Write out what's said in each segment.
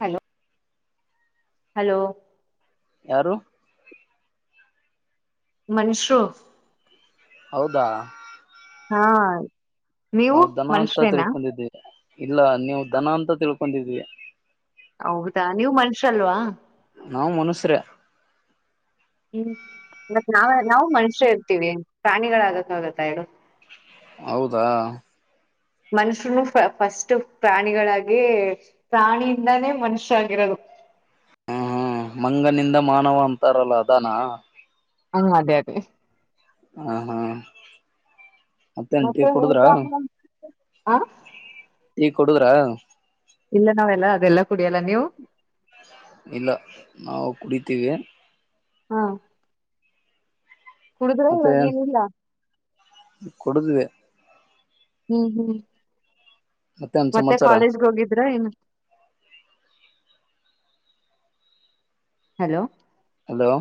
Hello. Hello. ಯಾರು. ಮನುಷ್ರು. ಹೌದಾ ಹಾ ನೀವು ನಾವು ದನ ಅಂತ ಮನುಷ್ರೇನಾ ತಿಳ್ಕೊಂಡಿದ್ದೇವಿ ಇಲ್ಲ ನೀವು ದನ ಅಂತ ತಿಳ್ಕೊಂಡಿದ್ವಿ ಹೌದಾ ನೀವು ಮನುಷ್ಯ ಅಲ್ವಾ ನಾವ್ ಮನುಷ್ಯರೇ ಹ್ಮ್ ಮತ್ತ ನಾವ ನಾವು ಮನುಷ್ಯ ಇರ್ತೀವಿ ಪ್ರಾಣಿಗಳಾಗತ್ತ ಆಗತ್ತ ಹೇಳೀ ಹೌದಾ ಮನುಷ್ಯರುನು ಫಸ್ಟ್ ಪ್ರಾಣಿಗಳಾಗಿ ಪ್ರಾಣಿಯಿಂದಾನೇ ಮನುಷ್ಯಗಿರೋದು ಹಾ ಹ ಮಂಗನಿಂದ ಮಾನವ ಅಂತಾರಲ್ಲ ಅದಾನ ಹಾ ಅದೇ ಅದೇ ಹ ಹಾ ಹತ್ತೆಂಟಿಗೆ ಕುಡುದ್ರ ಹಾ ಕೂಡುರ ಇಲ್ಲ ನಾವೆಲ್ಲ ಅದೆಲ್ಲಾ ಕುಡಿಯಲ್ಲ ನೀವು ಇಲ್ಲ ನಾವು ಕುಡಿತೇವಿ ಹಾ ಕುಡುದ್ರ ಇವಾಗೇ ಏನಿಲ್ಲ ಕುಡದೆ ಹ್ಮ್ ಹ್ಮ್ ಮತ್ತೇನ್ ಮತ್ತೆ ಸಮಾಚಾರ ಕಾಲೇಜ್ಗೆ ಹೋಗಿದ್ರ ಏನು ಹಲೋ ಹಲೋ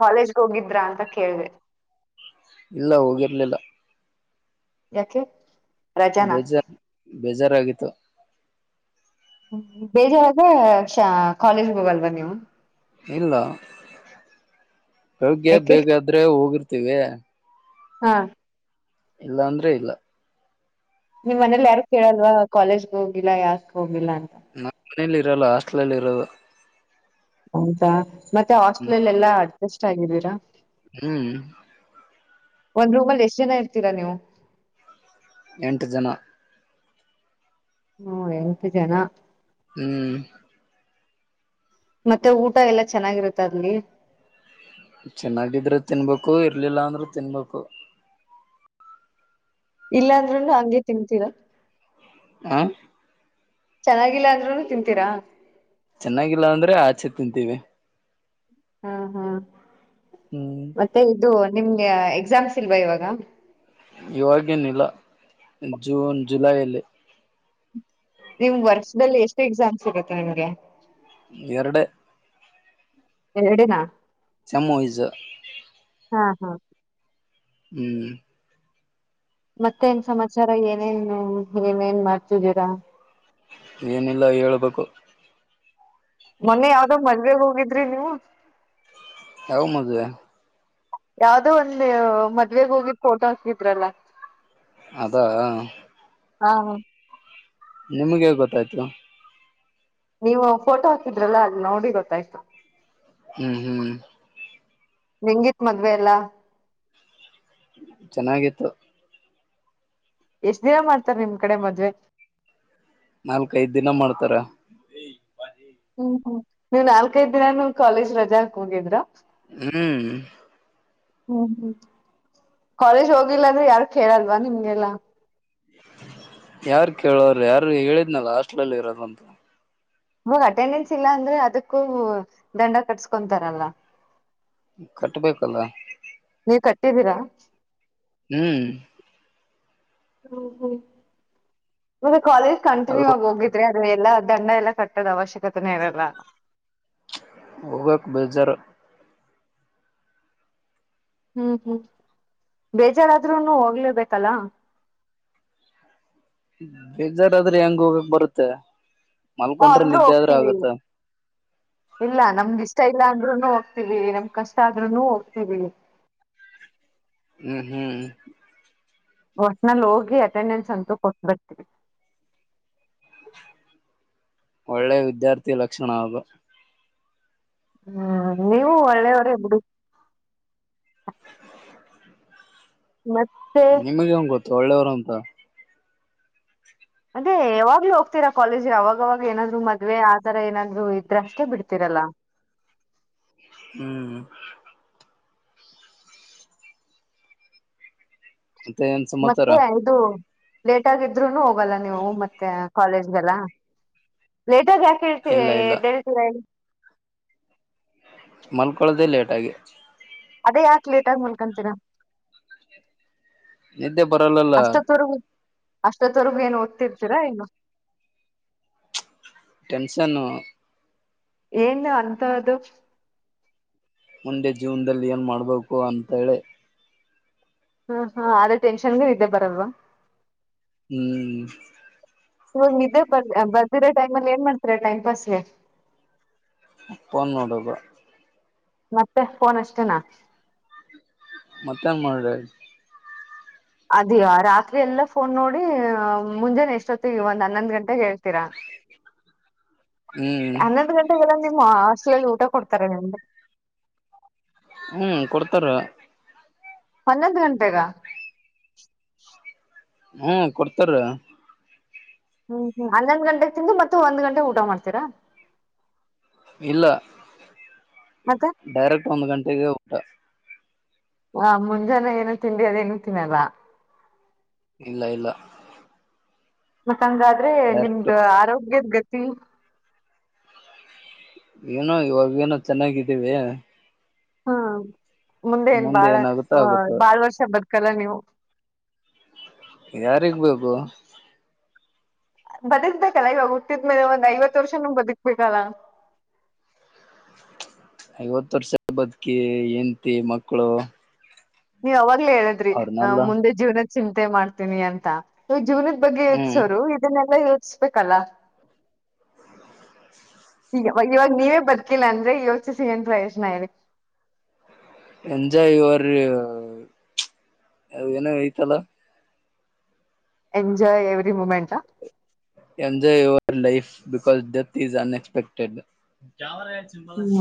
ಕಾಲೇಜ್ಗ್ ಹೋಗಿದ್ರ ಅಂತ ಕೇಳಿದೆ ಇಲ್ಲ ಹೋಗಿರ್ಲಿಲ್ಲ ಯಾಕೆ ರಜಾನಾ ಬೇಜಾರ್ ಬೇಜಾರ್ ಆಗ ಹ ಬೇಜಾರಾಗ ಕಾಲೇಜ್ ಹೋಗಲ್ವಾ ನೀವು ಇಲ್ಲ ಹೋಗೆ ಯಾಕೆ ಬೇಗಾದ್ರೆ ಹೋಗಿರ್ ತಿವ ಹಾ ಇಲ್ಲ ಅಂದ್ರೆ ಇಲ್ಲ ನಿಮ್ ಮನೇಲಿ ಯಾರು ಕೇಳಲ್ವ ಕಾಲೇಜ್ಗ ಹೋಗಿಲ್ಲ ಯಾಕೆ ಹೋಗಿಲ್ಲ ಅಂತ ಹ್ಮ ಮನೇಲಿ ಇರೋಲ್ಲ ಹಾಸ್ಟೆಲ್ಲ್ಲಿ ಇರೋದು ಹೌದಾ ಮತ್ತೆ ಹ್ಮ್ ಹಾಸ್ಟೆಲ್ ಎಲ್ಲಾ ಆತ ಎಷ್ಟ ಆಾಗಿದ್ದೀರಾ ಹ್ಮ್ ಒಂದ್ ರೂಮ್ಲ ಎಷ್ಟ್ ಜನ ಇರ್ತೀರಾ ನೀವು ಎಂಟು ಜನ ಹ್ಮ ಎಪ ಜನ ಹ್ಮ್ ಮತ್ತೆ ಊಟ ಎಲ್ಲ ಚೆನ್ನಾಗಿರುತ್ತೆ ಅಲ್ಲಿ ಚೆನ್ನಾಗಿದ್ರೆ ತಿನ್ಬೇಕು ಇರರ್ಲಿಲ್ಲ ಅಂದ್ರರು ತಿನ್ಬೇಕು ಇಲ್ಲಾ ಅಂದ್ರೂನು ಹಗೆ ತಿನ್ಂತಿರ ಆ ಚೆನ್ನಾಗಿಲ್ಲ ಅಂದ್ರುೂನು ತಿನ್ಂತೀರಾ ಚೆನ್ನಾಗಿಲ್ಲ ಅಂದ್ರೆ ಆಚೆ ತಿಂತೀವಿ ಹ್ಮ ಹಾ್ ಹ್ಮ್ ಮತ್ತೆ ಇದು ನಿಮ್ಗೆ ಎಕ್ಸಾಮ್ಸ್ ಇಲ್ವಾ ಇವಾಗ ಇವಾಗೇನಿಲ್ಲ ಜೂನ್ ಜುಲೈಯಲ್ಲಿ ನಿಮ್ ವರ್ಷದಲ್ಲಿ ಎಷ್ಟು ಎಕ್ಸಾಮ್ಸ್ ಸಿಗತ್ತೆ ನಿಮ್ಗೆ ಎರಡೇ ಎರಡೇನಾ ಸಮವಯ್ಸ ಹಾ ಹಾ ಹ್ಮ್ ಮತ್ತೆ ನ್ ಸಮಾಚಾರ ಏನೇನು ನೇನ್ ಮಾಡ್ತಿದ್ದೀರಾ ಏನಿಲ್ಲ ಹೇಳ್ಬೇಕು ಮೊನ್ನೆ ಯಾವ್ದೋ ಮದ್ವೆಗ್ ಹೋಗಿದ್ರಿ ನೀವು ಯವ್ ಮದುವೆ ಯಾವ್ದೋ ಒಂದು ಮದ್ವೆಗ ಹೋಗಿ ಫೋಟೋ ಹಾಕಿದ್ರಲ್ಲ ಅದಾ ಹಾ ನಿಮಗೆೇ ಗೊತ್ತಾಯ್ತು ನೀವು ಫೋಟೋ ಹಾಕಿದ್ರಲ್ಲ ಅಲ್ಲಿ ನೋಡಿ ಗೊತ್ತಾಯ್ತು ಹ್ಮ್ ಹ್ಮ್ ನಿಂಗಿತ್ ಮದ್ವೆ ಎಲ್ಲಾ ಚೆನ್ನಾಗಿತ್ತು ಎಷ್ಟ್ ದಿನ ಮಾಡ್ತಾರೆ ನಿಮ್ ಕಡೆ ಮದ್ವೆ ನಾಲ್ಕ ಐದ್ ದಿನ ಮಾಡ್ತಾರೆ ಹ್ಮ್ ಹ್ಮ್ ನೀವ್ ನಾಲ್ಕೈದು ದಿನನೂ ಕಾಲೇಜ್ ರಜಾ ಹಾಕ್ ಹೋಗಿದ್ರ ಇರಿ ಹು ಹ್ಮ ಕಾಲೇಜ್ ಹೋಗಿಲ್ಲ ಅಂದ್ರೆ ಯಾರು ಕೇಳಲ್ವಾ ನಿಮ್ಮನ್ನೆಲ್ಲ ಯಾರು ಕೇಳೋರು ಯಾರು ಹೇಳಿದ್ನಲ್ಲ ಹಾಸ್ಟ್ಲಲ್ಲಿ ಇರೋದಂತ ಹ ಅಟೆಂಡೆನ್ಸ್ ಇಲ್ಲ ಅಂದ್ರೆ ಅದಕ್ಕೂ ದಂಡ ಕಟ್ಸ್ಕೊಂತಾರಲ್ಲ ಕಟ್ ಬೇಕಲ್ಲ ನೀ ಕಟ್ಟಿದ್ದೀರಾ ಹ್ಮ್ ಹ್ಮ ಹ್ಮ ಕಾಲೇಜ್ ಅದು ಕಂಟಿನ್ಯೂ ಆಗಿ ಹೋಗಿದ್ರೆ ಎಲ್ಲ ದಂಡ ಎಲ್ಲ ಕಟ್ಟದ ಅವಶ್ಯಕತೆನೆಇರೆಲ್ಲ ಹೋಗಕ್ಕೆ ಬೇಜರ್ ಹ್ಮ್ ಹ್ಮ್ ಬೇಜಾರಾದ್ರೂನು ಹೋಗಲೇಬೇಕಲ್ಲ ಬೇಜಾರಾದ್ರೆ ಹೆಂಗ ಹೋಗಕ್ ಬರುತ್ತೆ ಹ ಮಲ್ಕೊಂಡ್ರೆ ಅಂದ್ರರು ನಿದ್ದೆ ಆದ್ರ ಹೋಗ್ತೀವಿ ಆಗತ್ತ ಇಲ್ಲ ನಮ್ಗ ಇಷ್ಟ ಇಲ್ಲ ಅಂದ್ರು ಹೋಗ್ ಹೋಗತವಿ ನಮ್ ಕಷ್ಟ ಆದ್ರುನು ಹೋಗ್ತಿವಿ ಹ್ಮ್ ಹ್ಮ್ ಹೊಟ್ನಲ್ಲಿ ಹೋಗಿ ಅಟೆಂಡೆನ್ಸ್ ಅಂತೂ ಕೊಟ್ಟಬಿಡ್ತೀವಿ ಒಳ್ಳೆ ವಿದ್ಯಾರ್ಥಿ ಲಕ್ಷಣ ಆವು ಹ್ಮ್ ನೀವು ಒಳ್ಳೆಯವರೇ ಬಿಡಿ ಮತ್ ನಿಮಗೆ ಎಂಗ್ಗೊತ್ ಒಳ್ಳೆಯವರು ಅಂತ. ಅದೇ ಯಾವಾಗ್ಲೂ ಹೋಗ್ತೀರಾ ಕಾಲೇಜ್ಗೆ ಅವಾಗವಾಗ ಏನಾದ್ರು ಮದ್ವೆ ಆ ತರ ಏನಾದ್ರು ಇದ್ರೆ ಅಷ್ಟೇ ಬಿಡ್ತೀರಲ್ಲ ಹ್ಮ್ ಮತ್ತೆ ಏನ್ ಸಮಾಚಾರ ಮತ್ತೆ ಐದು ಲೇಟ್ ಆಗಿದ್ರುನು ಹೋಗಲ್ಲ ನೀವು ಮತ್ತೆ ಕಾಲೇಜ್ಗೆಲ್ಲ ಲೇಟ್ ಜಾಕಳ್ತಿ ಇಲ್ಲ ಇಲ್ಲ ಡೆಲ್ [unintelligible] ಮಲ್ಕೊಳ್ಳೋದೆೇ ಲೇಟಾಗಿ ಅದೇ ಯಾಕ ಲೇಟ್ ಆಗ ಮುಲ್ಕಂತೀರ ನಿದ್ದೆ ಬರಲ್ಲ ಅಲ್ಲ ಅಷ್ಟತ್ತವರ್ಗೂ ಏನ್ ಓದ್ತಿರ್ತೀರಾ ಏನು ಟೆನ್ಷನ್ನು ಏನ್ ಅಂತ್ದು ಮುಂದೆ ಜೀವನದಲ್ಲಿ ಏನ್ ಮಾಡ್ಬೇಕು ಅಂತೇಳಿ ಹ್ಮ ಹಾ ಆದ್ರೇ ಟೆನ್ಷನ್ಗೆ ಇದ್ದೆ ಬರಲ್ವಾ ಹ್ಮ್ ಇವಾಗ ನಿದ್ದೆ ಬರ್ ಬರೋದಿರ ಟೈಮ್ ಅಲ್ಲಿ ಏನ್ ಮಾಡತೀರಾ ಟೈಮ್ ಪಾಸಗೆ ಫೋನ್ ನೋಡೋದು ಮತ್ತೆ ಫೋನ್ ಅಷ್ಟೇನಾ ಮತ್ತೇನ್ ಮಾಡ್ಲಿ ಅದ ರಾತ್ರಿ ಎಲ್ಲ ಫೋನ್ ನೋಡಿ ಮುಂಜಾನೆ ಎಷ್ಟೊತ್ತ ಒಂದ್ ಹನ್ನೊಂದ ಗಂಟೆಗೆ ಹೇಳ್ತೀರ ಹ್ಮ್ ಹನ್ನೊಂದು ಗಂಟೆಗೆ ಎಲ್ಲ ಹಾಸ್ಟೇಲ್ ಅಲ್ಲಿ ಊಟ ಕೊಡ್ತಾರೆ ನಿಮಗೆ ಹ್ಮ್ ಕೊಡ್ತಾರ ಹನ್ನೊಂದು ಗಂಟೆಗ ಹ್ಮ ಕೊಡ್ತಾರ ಹ್ಮ್ ಹನ್ನೊಂದ್ ಗಂಟೆೆಗೆ ತಿಂದು ಮತ್ತ ಒಂದ್ ಗಂಟೆಗೆ ಊಟ ಮಾಡ್ತೀರಾ ಇಲ್ಲ ಮತ್ತೆ ಡೈರೆಕ್ಟ್ ಒಂದ ಗಂಟೆಗೆ ಊಟ ಹಾ ಮುಂಜಾನೆ ಏನು ತಿಂಡಿ ಅದ ಏನೂ ತಿನ್ನಲ್ಲ ಇಲ್ಲ ಇಲ್ಲ ಹಂಗಾ ಆದ್ರೆ ಡೈರೆಕ್ಟ್ ನಿಮದು ಆರೋಗ್ಯದ ಗತಿ ಹ ಏನೋ ಇವಾಗ ಏನೋ ಚೆನ್ನಾಗಿ ಇದೀವಿ ಹಾ ಮುಂದೆ ಏನ್ ಬಾಳ ಏನಾಗುತ್ತೋ ಆಗುತ್ತೋ ಬಾಳ್ ವರ್ಷ ಬದಕ್ ಚೋಲ ನೀವು ಯಾರಿಗೆಬೇಕು ಬದುಕಬೇಕ್ ಅಲ್ಲ ಇವಾಗ ಹುಟ್ಟಿದ್ಮೇಲೆ ಒಂದ್ ಐವತ್ತು ವರ್ಷನು ಬದುಕಬೇಕ್ ಅಲ್ಲಾ ಐವತ್ತು ವರ್ಷ ಬದುಕಿ ಹೆಂಡತಿ ಮಕ್ಕಳು ನೀವು ಅವಾಗ ಹೇಳದ್ರಿ ಅವ್ರನೆಲ್ಲ ಮುಂದೆ ಜೀವನ ಚಿಂತೆ ಮಾಡ್ತೀನಿ ಅಂತ ಜೀವನದ ಬಗ್ಗೆ ಹ್ಮ್ ಯೋಚಸೂರು ಇದನ ಎಲ್ಲಾ ಯೋಚಿಸಬೇಕ್ ಅಲ್ಲಾ ಈಗ ಇವಾಗ ನೀವೇ ಬದುಕಿಲ್ಲ ಅಂದ್ರೆ ಯೋಚಿಸಿ ಏನ್ ಪ್ರಯೋಜನ ಇದೆ ಎಂಜಾಯ್ ಯುವರ್ ಏನ ಐತಿ ಅಲ್ಲಾ enjoy every moment enjoy your life because death is unexpected hmm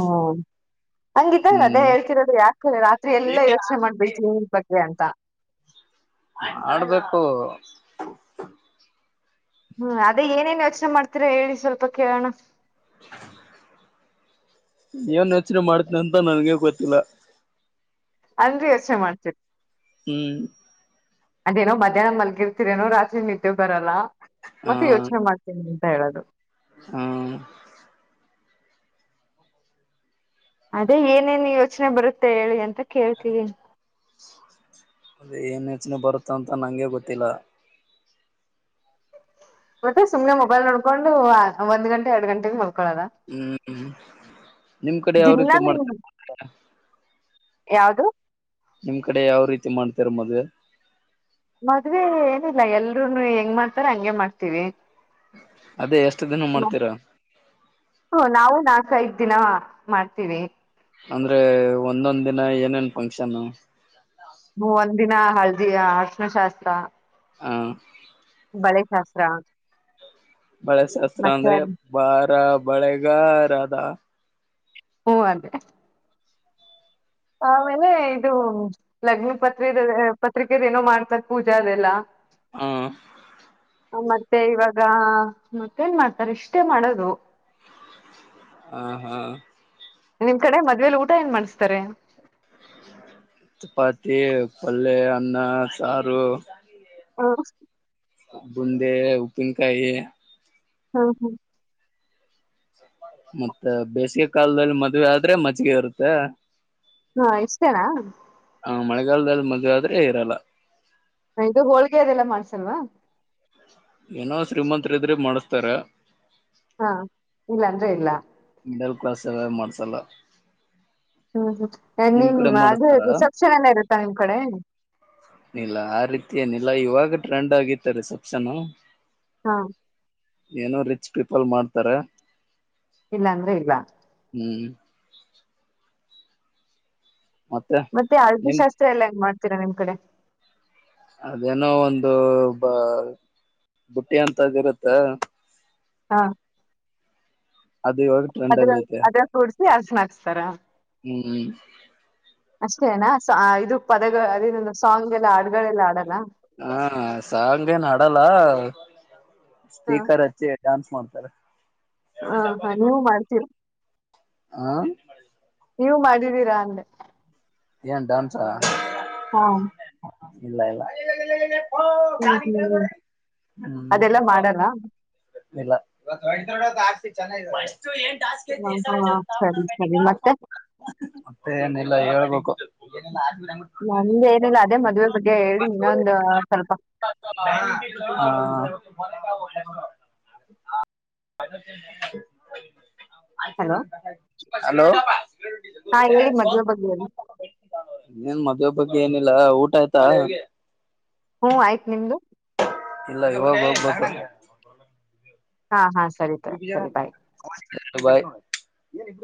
ಹಂಗ ಇತ್ತು ಅಂದ್ರೆ ಅದೇ ಹ್ಮ್ ಹೇಳ್ತಿರೋದು ಯಾಕ ರಾತ್ರಿ ಎಲ್ಲಾ ಯೋಚನೆ ಮಾಡಬೇಕ ಬಗ್ಗೆ ಅಂತ ಆಡ್ಬೇಕು [inaudible] [unintelligible] ಹ್ಮ್ ಅದೇ ಏನೇನ್ ಯೋಚನೆ ಮಾಡ್ತೀರಾ ಹೇಳಿ ಸ್ವಲ್ಪ ಕೇಳೋಣ ಏನ್ ಯೋಚನೆ ಮಾಡ್ತನಿ ಅಂತ ನನಗೆ ಗೊತ್ತಿಲ್ಲ ಅನ್ರಿ ಯೋಚನೆ ಮಾಡತಿನಿ ಹ್ಮ್ ಅದೇನೋ ಮಧ್ಯಾಹ್ನ ಮಲ್ಗಿರ್ತೀರ ಏನೋ ರಾತ್ರಿ ನಿದ್ದೆ ಬರಲ್ಲ ಮತ್ತೆ ಯೋಚನೆ ಮಾಡ್ತೇನಿ ಅಂತ ಹೇಳದು ಹ ಅದೇ ಏನೇನು ಯೋಚನೆ ಬರುತ್ತೆ ಹೇಳಿ ಅಂದೇ ಕೇಳ್ತೀರಿ ಅದೇ ಏನ್ ಯೋಚನೆ ಬರುತ್ತ ಅಂತ ನಂಗೆ ಗೊತ್ತಿಲ್ಲ ಮತ್ತೆ ಸುಮ್ನೆ ಮೊಬೈಲ್ ನೋಡ್ಕೊಂಡು ಒಂದ್ ಗಂಟೆ ಎರಡ್ ಗಂಟೆಗೆ ಮಲ ಹ್ಮ್ ನಿಮ್ ಕಡೆ ಯಾವ ರೀತಿ ಮಾಡ್ತಾರೆ ಯಾವದು ನಿಮ್ ಕಡೆ ಯಾವ ರೀತಿ ಮಾಡ್ತಾರೆ ಮದ್ವೆ ಮದ್ವೆ ಏನಿಲ್ಲ ಹೇಳ್ರೂನು ಹೆಂಗ್ ಮಾಡ್ತಾರ ಹಂಗೆ ಮಾಡ್ತೀವಿ ಅದೇ ಎಷ್ಟು ದಿನ ಮಾಡ್ತೀರಾ ಹ ನಾವು ನಾಶ ಇ ದಿನ ಮಾಡ್ತೀವಿ ಅಂದ್ರೆ ಒಂದೊಂದ್ ದಿನ ಏನೇನ್ ಫಂಕ್ಷನು ಹ ಒಂದ ದಿನ ಹಳದಿ ಹ ಅರಸಿನಶಾಸ್ತ್ರ ಹ ಶಾಸ್ತ್ರ ಬಳೆ ಶಾಸ್ತ್ರ ಮತ್ತೆ ಅಂದ್ರೆ ಅದ್ ಬಾರ ಬಳೆಗಾರದ ಹ್ಮ ಅದೇ ಆಮೇಲೆ ಇದು ಲಗ್ನಾ ಪತ್ರಿ ಪತ್ರಿಕೆದೇನೋ ಮಾಡ್ತದ ಪೂಜೆ ಅದೆಲ್ಲ ಹ ಮತ್ತೆ ಇವಾಗ ಮತ್ತೇನ್ ಮಾಡ್ತಾರೆ ಇಷ್ಟೇ ಮಾಡದು ಹ ಹಾ ನಿಮ್ ಕಡೆ ಮದ್ವೆೇಲಿ ಊಟ ಏನ್ ಮಾಡಸ್ತಾರೆ ಚಪಾತಿ ಪಲ್ಯ ಅನ್ನ ಸಾರು ಹ ಬುಂದೆ ಉಪ್ಪಿನ್ಕಾಯಿ ಹ್ಮ ಹಾ ಮತ್ತೆ ಬೇಸಿಗೆ ಕಾಲದಲ್ಲಿ ಮದ್ವೆ ಆದ್ರೆ ಮಜ್ಗೆ ಇರುತ್ತೆ ಹಾ ಇಷ್ಟೇನಾ ಹ ಮಳೆಗಲ್ದಾಳಿ ಮದುವೆ ಆದ್ರೆ ಇರಲ್ಲ ಇದು ಹೋಳ್ಗೆ ಅದೆಲ್ಲ ಮಾಡ್ಸಲ್ವಾ ಏನೋ ಶ್ರೀಮಂತ ಇದ್ರೆ ಮಾಡಸ್ತಾರೆ ಹಾ ಇಲ್ಲ ಅಂದ್ರೆ ಇಲ್ಲ ಮಿಡಲ್ ಕ್ಲಾಸ್ ಎಲ್ಲ ಮಾಡ್ಸಲ್ಲ ಹ್ಮ ಹ ಹ ನಿಮ್ ಕಡೆ ಅದು ಮಾಡಿಸತಾರ ರಿಸೆಪ್ಷನ್ ಎಲ್ಲ ಇರುತ್ತಾ ನಿಮ್ ಕಡೆ ಇಲ್ಲ ಆ ರೀತಿ ಏನಿಲ್ಲ ಇವಾಗ ಟ್ರೆಂಡ್ ಆಗಿತ್ತ ರಿಸೆಪ್ಷನು ಹಾ ಏನೋ ರಿಚ್ ಪೀಪಲ್ ಮಾಡ್ತಾರೆ ಇಲ್ಲ ಅಂದ್ರೆ ಇಲ್ಲ ಹ್ಮ್ ಮತ್ತೆ ನಿಮ್ ಹಾಲ್ದಿಶಾಸ್ತ್ರ ಎಲ್ಲ ಏನ್ ಮಾಡ್ದ ತಿರ ನಿಮ್ ಕಡೆ ಅದೇನೋ ಒಂದು ಬ ಬುಟ್ಟಿ ಅಂತದ್ ಇರುತ್ತ ಹಾ ಅದು ಇವಾಗ ಟ್ರೆಂಡ್ ಅದ್ರ ಅಲ್ಲಿ ಐತೆ [inaudible] ಹ್ಮ್ ಅಷ್ಟೇನಾ ಸಾ ಇದು ಪದಗಳ ಅರಿನನು ಸಾಂಗ್ ಎಲ್ಲ ಆಡ್ಗಳೆಲ್ಲ ಆಡಲ್ಲ ಹಾ ಸಾಂಗ ಏನ್ ಆಡಲ್ಲ ಹ ಸ್ಪೀಕರ್ ಹಚ್ಚೇ ಡಾನ್ಸ್ ಮಾಡತ [unintelligible] ಹ ಹಾ ನೀವು ಮಾಡ್ತೀರ ಹ ನೀವು ಮಾಡಿದೀರಾ ಅಂದೆ ಏನ್ ಡಾನ್ಸಾ ಹಾ ಇಲ್ಲ ಇಲ್ಲ ಹ್ಮ ಹ್ಮ್ ಹ್ಮ್ ಅದೆಲ್ಲ ಮಾಡಲ್ಲ ಆಗ್ತಿ ಚೆನ್ನ ಹ ಹಾ ಸರಿ ಸರಿ ಮತ್ತೆ [unintelligible] [unintelligible] ಏನಿಲ್ಲ ಹೇಳಬೇಕು [inaudible] ನಮ್ದ ಏನಿಲ್ಲ ಅದೇ ಮದುವೆ ಬಗ್ಗೆ ಹೇಳಿ ಇನ್ನೊಂದು ಸ್ವಲ್ಪ ಹಾ [inaudible] ಹಲೋ [unintelligible] ಹಲೋ ಹಾ ಹೇಳಿ ಮದ್ವೆೆ ಬಗ್ಗೆ ಹೇಳಿ ಎಲ್ಲಾ ಊಟ್ ಊಟಯತಾ ಹ್ಮ್ ಆಯ್ತ್ ನಿಮ್ದು ಇಲ್ಲ ಇ ಹೋಗ ಹೋಗ್ಬಬೇಕು ಹಾ ಹಾ ಸರಿತ್ ಸರಿ ಬಾಯ್ ಹ ಬಾಯ್